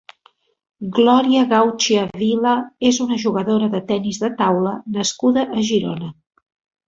Glòria Gauchia Vila és una jugadora de tennis de taula nascuda a Girona.